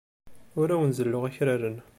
Ur awen-zelluɣ akraren.